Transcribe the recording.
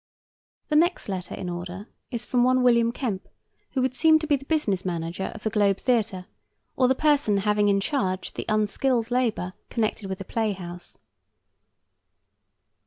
The next letter in order is from one William Kempe, who would seem to be the business manager of the Globe Theatre, or the person having in charge the unskilled labor connected with the playhouse.